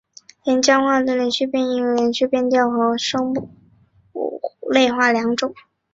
连江话的连读音变主要分为连读变调和声母类化两种。